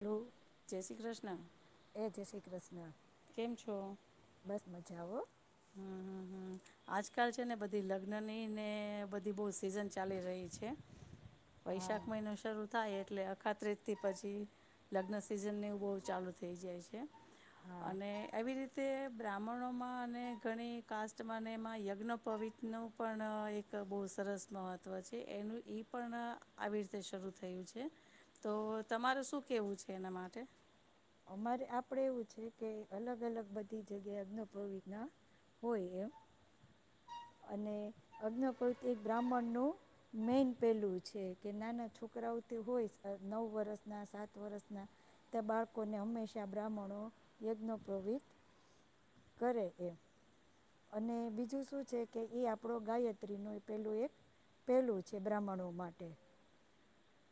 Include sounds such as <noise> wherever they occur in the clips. Hello જય શ્રી કૃષ્ણ. એ જય શ્રી કૃષ્ણ. કેમ છો બસ મજા હો. હ આજકાલ છે ને, બધી લગ્નનીને બધી બહુ સિઝન ચાલી રહી છે. વૈશાખ મહિનો શરૂ થાય એટલે, અખાત્રીજથી પછી લગ્ન સિઝનને બહુ ચાલુ થઈ જાય છે અને એ રીતે બ્રાહ્મણોમાં અને ઘણી કાસ્ટમાંને એમાં યજ્ઞ પવિત્રનું પણ એક બહુ સરસ મહત્ત્વ છે એનું એ પણ આવી રીતે શરૂ થયું છે. તો તમારે શું કહેવું છે એના માટે? અમારે આપડે એવું છે કે, અલગ અલગ બધી જગ્યા અગ્ન પવિત્ ના હોય એમ અને અગ્ન પવિત્ એક બ્રાહ્મણનું મેન પહેલું છે કે, નાના છોકરાઓ તે હોય નવ વર્ષના, સાત વર્ષના, ત્યાં બાળ લોકોને હંમેશાં બ્રાહ્મણો યજ્ઞો પવિત્ કરે એમ. અને બીજું શું છે કે, એ આપણો ગાયત્રીનું પેલું એક પહેલું છે બ્રાહ્મણો માટે.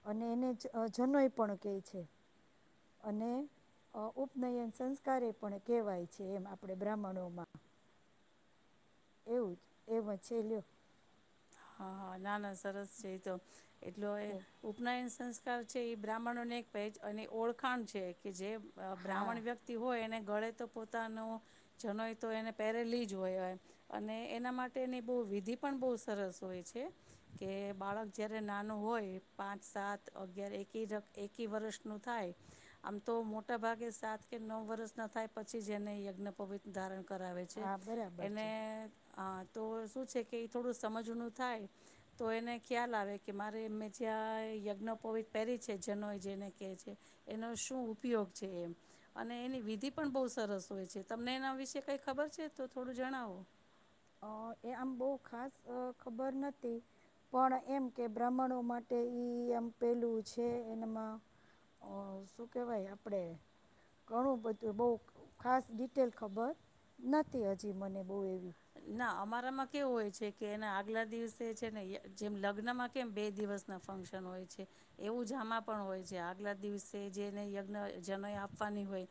અને એને જનોય પણ કહે છે અને ઉપનયન સંસ્કારે પણ કેહેવાય છે એમ આપડે બ્રાહ્મણોમાં. એ વચ્ચે લ્યો. હ હા ના ના સરસ છે એતો એટલે, એ ઉપનાયન સંસ્ છે. એ બ્રાહ્મણોને એક અને ઓળખાણ છે કે જે હા બ્રાહ્મણ વ્યક્તિ હોય એને ગળે તો પોતાનો જનોય તો એને પહેરેલી જ હોયય. અને એના માટેની બહુ વિધિ પણ બહુ સરસ એ છે કે, બાળક જ્યારે નાનું હોય પાંચ, સાત, અગિયાર એકી જ એકી વર્ષનું થાય. આમ તો મોટાભાગે સાત કે નવ વર્ષના થાય પછી જ એને યજ્ઞ પવિત્ર ધારણ કર કરાવે છે. હા બરાબર છે એને અ તો શું છે કે, થોડું સમજનું થાય તો, એને ખ્યાલ આવે કે, મારે એમે જ્યાં યજ્ઞપોવિત પહેરી છે, જનોય જેને કહે છે. એનો શું ઉપયોગ છે એમ. અને એની વિધિ પણ બહુ સરસ હોય છે. તમને એના વિશે કઈ ખબર છે? તો થોડું જણાવો. અ એ આમ બહુ ખાસ ખબર નથી. પણ એમ કે, બ્રાહ્મણો માટે ઈ એમ પેલું છે. એનામાં શું કહેવાય આપણે ઘણું બધું બહુ ખાસ ડિટેલ ખબર નથી. હજી મને બહુ એવી. ના અમારામાં કેવું હોય છે કે, એના આગલા દિવસે છે ને, જેમ લગ્નમાં કેમ બે દિવસના ફંક્શન હોય છે. એવું જ આમાં પણ હોય છે. આગલા દિવસે જેને યજ્ઞ જનોઈ આપવાની હોય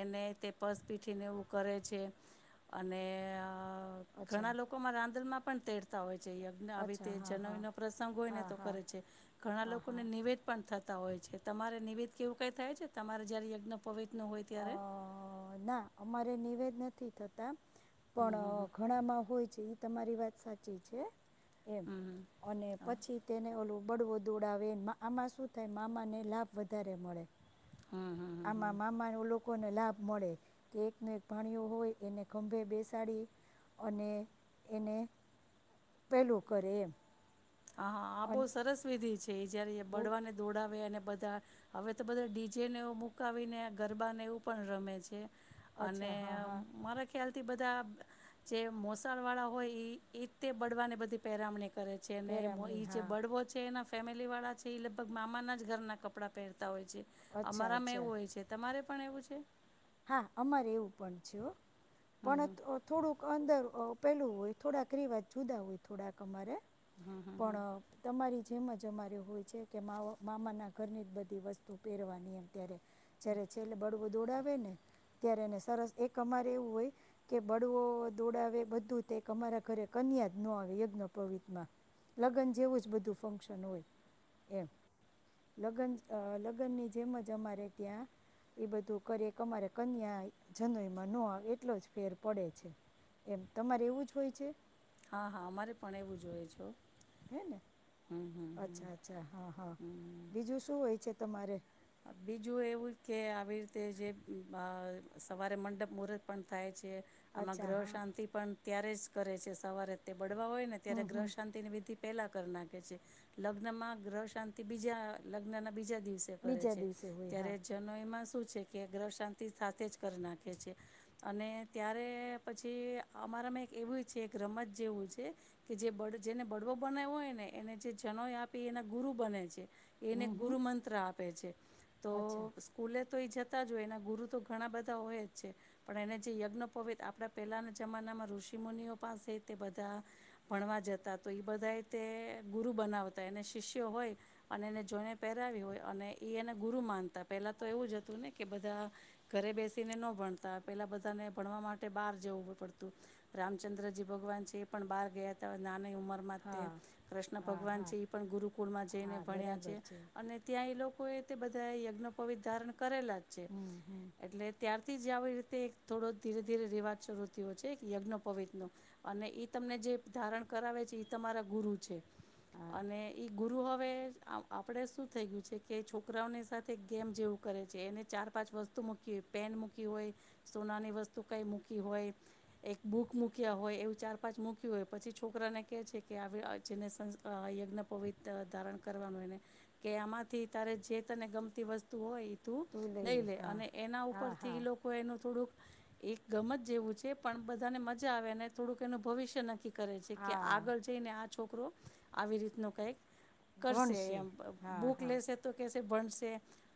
એને તે પસ પીઠીને એવું કરે છે. અને અચ્છા ઘણા લોકો માં રાંદલમાં પણ તેડ તા હોય. જે યજ્ઞ આવી અચ્છા રીતે હા હા જનોઈ નો પ્રસંગ હોય ને હા તો હા કરે છે ઘણા હા લોકોને હા નેવેધ પણ થત તા હોય છે તમારે નેવેધ કે એવું કંઈ થાય છે તમારે જયારે યજ્ઞ પવિત નું હોય ત્યારે અ ના અમારે નેવેધ નથી થતા. હમ પણ હમ ઘણામાં હોય છે. તમારી વાત સાચી છે. એમ હમ હમ હમ અને હા પછી તેને ઓલું બળવો દોડાવે મા આમાં શું થાય મામાને લાભ વધારે મળે. હમ-હમ-હમ-હમ. કોને લાભ મળે કે એકને એક ભાણીયો હોય એને ખંભે બેસાડી અને એને પેલું કરે એમ. હા-હા આ બહુ અને સરસ વિધિ છે. તે જ્યારે એ બહુ બળવાને દોડાવે અને બધા. હવે તો બધા ડીજેને એવું મુકાવીને ગરબાને એવું પણ રમે છે. અને અચ્છા હા અમ્મ હા મારા ખ્યાલ થી બધા જે મોસાળ વાળા હોય ઈ તે બળવાને બધી પેરામણી કરે તેને ઈ મો પેરામણી ઈ જે હા બળવો છે એના ફેમિલી વાળા છે એ લગભગ મામાના જ ઘરના કપડાં પહેર તા હોય છે. અચ્છા અમારામાં અચ્છા એવું હોય છે તમારે પણ એવું છે? હા, અમારે એવું પણ છે હો. હમ પણ હમ થો-થોડુંક અંદર ઓ પેલું હોય થોડાક રિવાજ જુદા હોય થોડાક અમારે. પણ તમારી જેમ જ અમારે હોય છે કે માઓ મામાના ઘરની જ બધી વસ્તુ પેરવાની એમ ત્યારે જ્યારે છેલ્લે બળવું દોડાવે ને ત્યારે એને સરસ એક અમારે એવું હોય કે બળવો દોડાવે બધું તે અમારા ઘરે કન્યા જ નો આવે યજ્ઞ પવિત માં લગન જેવું જ બધું ફંક્શન હોય એમ લગન અહ લગ્ન ની જેમ જ અમારે ત્યાં ઈ બધું કરે. તમારે કન્યા ઈ જનોઈમાં નો આવે એટલો જ ફેર પડે છે એમ તમારે એવું જ હોય છે? હા હા અમારે પણ એવું હોય છો. હે ને અચ્છા અચ્છા હા હા બીજું શું હોય છે? તમારે બીજું એવું કે આવી રીતે જે અ મ સવારે મંડપ મુહરત પણ થાય છે. આમાં અચ્છા ગ્રહ હા શાંતિ પણ ત્યારે જ કરે છે સવારે તે બળવા હોય ને ત્યારે હમ ગ્રહ હમ શાંતિની વિધિ પેલા કર નાખે છે, લગ્નમાં ગ્રહ શાંતિ બીજા અ લગ્નના બીજા દિવસે કરે બીજા છે, દિવસે હોય હા ત્યારે જનોઈ એમાં શું છે કે ગ્રહ શાંતિ સાથે જ કરી નાખે છે, અને ત્યારે પછી અમારામાં એક એવું છે એક રમત જેવું છે કે જે બળ જેને બળવો બનાવ્યો હોય ને એને જે જનોય આપી એના ગુરુ બને છે. એને હમ હમ ગુરુ મંત્ર આપ પે છે. તો અચ્છા સ્કૂલે તો એ જતા જ હોય એના ગુરુ તો ઘણા બધા હોય જ છે, પણ એને જે યજ્ઞ પવિત્ર આપણા પહેલાના જમાનામાં ઋષિ મુુનિઓ પાસે તે બધા ભણવા જતા તો ઈ બધાએ તે ગુરુ બનાવતા એને શિષ્યો હોય અને એને જોઈને પહેરાવી હોય અને ઈ એને ગુરુ માનતા પેલા તો એવું જ હતું ને કે બધા ઘરે બેસીને ન ભણતા પેલા બધાને ભણવા માટે બહાર જવું પડતું. રામચંદ્રજી ભગવાન છે એ પણ બહાર ગયા હતા નાની ઉંમર મર માં તે હા કૃષ્ણ હા ભગવાન હા છે ઈ પણ ગુરુકુળમાં જઈને હા ભણ્યા છે બરાબર અને ત્યાં ઈ લોકો તે બધા યજ્ઞ પવિધારણ કરેલા જ છે, હમ હમ એટલે ત્ય થી જે આવી રીતે થોડો ધીરે ધીરે રિવાજ શરૂ થયો છે યજ્ઞ પવિત્ર નો અને એ તમને જે ધારણ કરાવે છે ઈ તમારા ગુરુ છે હા અને ઈ ગુરુ હવે આપણે શું થઈ ગયું છે કે છોકરાઓની સાથે ગેમ જેવું કરે છે એને ચાર પાંચ વસ્તુ મૂકીય પેન મૂકી હોય, સોનાની વસ્તુ કંઈ મૂકી હોય, એક બૂક મૂક્યા હોય એવું ચાર પાંચ મૂક્યું હોય. પછી છોકરાને કહે છે કે આ વે જેને સ યજ્ઞ પવિત્ર ધારણ કરવાનું એને કે આમાં થી તારે જે તને ગમતી વસ્તુ હોય તુ લઈ લે અને એના ઉપર હા થી હા લોકો એનું થોડુંક એક ગમત જેવું છે પણ બધાને મજા આવે અને થોડુંક એનું ભવિષ્ય નક્કી કરે છે કે હા આગળ જઈને આ છોકરો આવી રીતનો કંઈક કરશે ભણશે એમ હા બુક હા તો કેસે ભણસે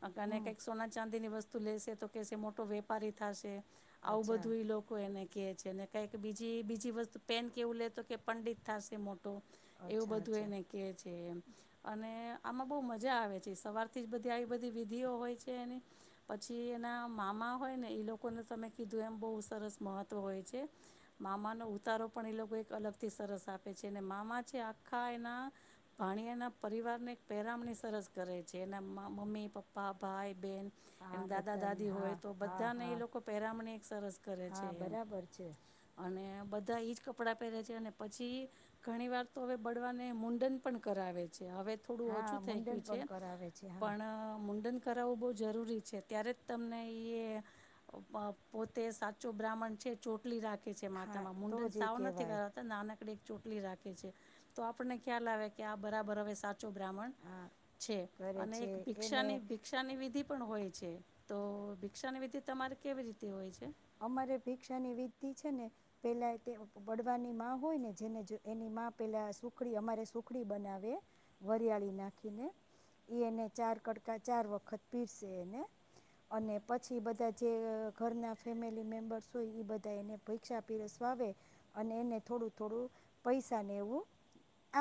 અ કને હમ કંઈક સોના ચાંદી ની વસ્તુ લેશે તો કેશે મોટો વેપારી થાસે. આવું અચ્છા બધું ઈ લોકો એને કે છે ને કઈ બીજી બીજી વસ્તુ પેન કેવું લેતો કે પંડિત થશે મો ટો એવું અચ્છા બધું અચ્છા એને કે છે એમ અને આમાં બહુ મજા મજા આવે છે સવારથી જ બધી આવી બધી વિધિઓ હોય છે એની પછી એના મામા હોય ને એ લોકોને તમે કીધું એમ બહુ સરસ મહત્ત્વ હોય છે મામાનો ઉતારો પણ એ લોકો એક અલગથી સરસ આપે છે અને મામા છે આખા એના ભાણીયાના પરિવારને એક પહેરામણી સરસ કરે છે એના મમ્મી પપ્પા ભાઈ બહેન એ હા દાદા બધાને દાદી હોય હા તો હા બધાને એ હા લોકો પહેરામણી એક સરસ કરે છે હા એમ બરાબર છે અને બધા એ જ કપડાં પહેરે છે અને પછી ઘણી વાર તો હવે બળવાને મુંડન પણ કરાવે છે. હવે થોડું હા ઓછું થઈ ગયું મુંડન પણ છે, કરાવે છે હા પણ મુુંડન કરાવવું બઉ જરૂરી છે ત્યારે જ તમને એ, પોતે સાચો બ્રાહ્મણ છે ચો ટલી રાખે છે હા માતામાં તો મુંડન જ એ સાવ નથી કહેવાય કરતા નાનકડી ચોટલી રાખે છે, તો આપણને ખ્યાલ આવે કે આ બરાબર હવે સાચો બ્રાહમ હા છે, કરે અને એક છે ભિક્ષાની એને ભિક્ષાની વિધિ પણ હોય છે, તો ભિક્ષાની વિધિ તમારે કેવી રીતે હોય છે. અમારે ભિક્ષાની વિધિ છે ને, પેલા તે બળવાની માં હોય ને જેને એની પેલા સુખડી અમારે સુખડી બનાવે, વરિયાળી નાખીને, એ એને ચાર કડકા ચાર વખત પીરસે એને, અને પછી બધા જે ઘરના ફેમિલી મેમ્બર્સ હોય એ બધા એને પૈક્ષા પીરસવાવે, અને એને થોડું થોડું, પૈસાને એવું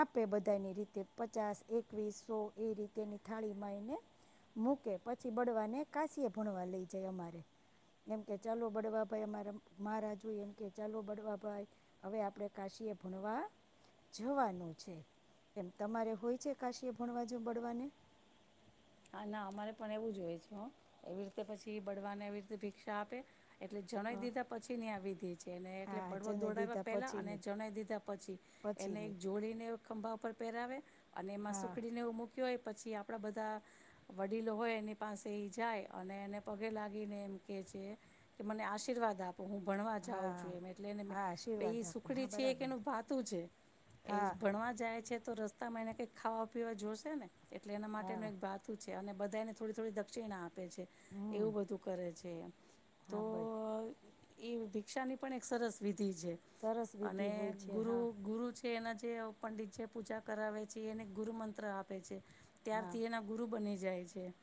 આપે બધાની રીતે પચાસ એકવીસ સો એ રીતેની થાળીમાં એને, મૂકે પછી બળવાને કાસી્ય ભણવા લઈ જાય અમારે, એમ કે ચાલો બળવાભાઈ અમારા મહારાજ હોય એમ કે ચાલો બળવાભાઈ, અમારે મહારાજુ એમકે ચાલો બળવાભાઈ હવે આપણે કાશ્યએ ભણવા જવાનું છે એમ તમારે હોય છે, કાશી ભણવા જો બળવાને? હા ના અમારે પણ એવું જ હોય છે, એવી રીતે પછી બળવાને એવી રીતે ભિક્ષા આપે એટલે જણાઈ હા દીધા પછી ની આ વિધિ છે ને એટલે હા બળવો જને દોડાવ્યા દીધા પહેલાં અને પછીની જણાઈ દીધા પછી, એને એક પછીની જોડીને ખંભા ઉપર પેરાવે. અને એમાં હા સુખડીને એવું મૂક્યો એ પછી આપણા બધા વડીલો હોય એની પાસે એ જાય અને એને પગે લાગીને એમ કે છે કે, મને આશીર્વાદ આપ તો હું ભણવા જાઉં છું હા એમ એટલેને, હા આશીર્વાદ એ આપે સુખડી હા છે કે બરાબર એનું ભાતું છે, એ હા ભણવા જાય છે તો રસ્તામાં એને કંઈક ખાવા પીવા જોશે ને. એટલે એના માટેનો હા એક ભાત યા અને બધાને થોડી થોડી દક્ષિણા આપ પે છે હમ એવું બધું કરે છે એ. તો હા બસ અહ એયુ ભિક્ષાની પણ એક સરસ વિ ઘી છે સરસ વિધિ અને હોય છે ગુરુ હા ગુરુ છે એનાજ જે પંડિત જે પૂજા કરાવે છે એને ગુરુમંત્ર આપે છે. હા ત્યારથી એના <unintelligible> બની જાય છે.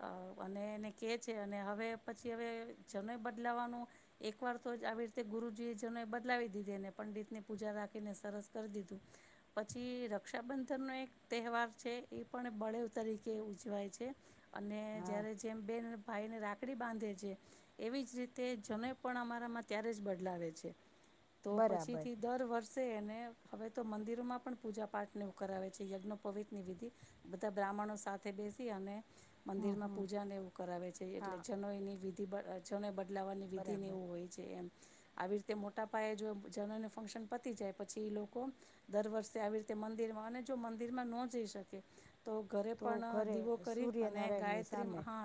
અહ અને એને કહે છે અને હવે પછી હવે જનોઈ બદલાવવાનું એકવાર તો જ આવી રીતે ગુરુજીએ જનોઈ બદલાવી દીધી અને પંડિતની પૂજા રાખીને સરસ કરી દીધું પછી રક્ષાબંધનનો એક તહેવાર છે એ પણ બળેવ તરીકે ઉજવાય છે. અને હા જ્યારે જેમ બેન ભાઈને રાખડી બાંધે છે એવી જ રીતે જનોઈ પણ અમારામાં ત્યારે જ બદલાવે છે. તો પછી બરાબર થી દર વર્ષ એને હવે તો મંદિરોમાં પણ પૂજા પાઠ ને એવું કરાવે છે યજ્ઞો પવિત ની વિધિ બધા બ્રાહ્મણો સાથે બેસી અને હમ મંદિર માં હમ પૂજા ને એવું કરાવે છે એટલે હા જનોઈની વિ છેને બ લાવવાની વિધિને બરાબર એવું હોય છે એમ આવી રીતે મોટા પાયે જો જનોઈનો ફંક્શન પતી જાય પછી એ લોકો દર વર્ષે આવી રીતે મંદિરમાં અને જો મંદિરમાં ન જઈ શકે તો ઘરે તો પણ ઘરે દીવો કરી અને સૂર્યનારાયણની ગાયત્રી સામે હા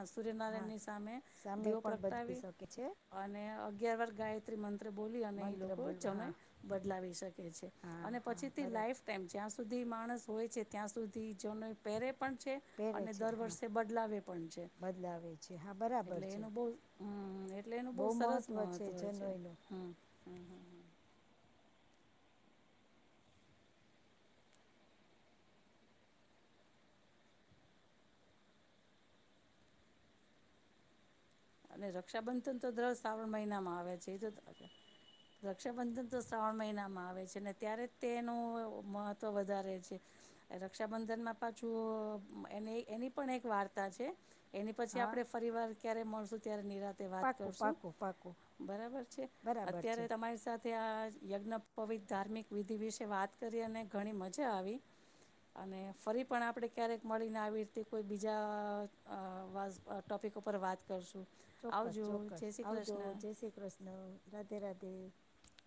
હા સૂર્યનારાયણની સામે સામે દીવો પણ બદલી પ્રગટાવી શકે છે અને ગેવર ગાયત્રી મંદ બોલી અને એ મંત્ર લોકો બોલ જનોઈ હા બદલાવી શકે છે હા અને હા પછીથી બરાબર લાઈફ ટાઈમ જ્યાં સુધી સુધી માણસ હોય છે ત્યાં સુધી જનોઈ પેરે છે પહેરે અને છે દર હા વર્ષે બદલાવે પણ છે બદલાવે છે હા બરાબર એટલે છે એનું બૌ હમ એટલે એનું બહુ બૌ સરસ મહત્ત્વ મહત્વ છે જનોયનું હ. અને રક્ષાબંધન તો દ્ર શ્રાવણ મહિનામાં આવે છે રક્ષાબંધન તો શ્રાવણ મહિનામાં આવે છે અનેને ત્યારે તેનું મહત્વ વધારે છે રક્ષાબંધનમાં પાછું એ એની પણ એક વાર્તા છે. એની પછી હા આપણે ફરીવાર ક્યારે મળશું. અત્યારે નિરાતે. વાત પાકું કરશું પાકું પાકું બરાબર છે બરાબર છે અત્યારે તમારી સાથે આ યજ્ઞ. પવિત ધાર્મિક વિધિ વિશે વાત કરી અને ઘણી મજા આવી અને ફરી પણ આપણે ક્યારેક મળીને આવી રીતે કોઈ બીજા ટોપિક ઉપર વાત કરશું ચોક્કસ આવજો ચોક્કસ જય શ્રી આવજો કૃષ્ણ જય શ્રી કૃષ્ણ રાધે રાધે તે